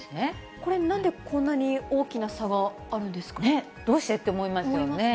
これ、なんでこんなに大きなどうしてと思いますよね。